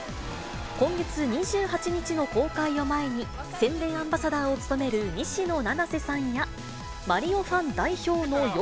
今月２８日の公開を前に、宣伝アンバサダーを務める西野七瀬さんや、マリオファン代表のよ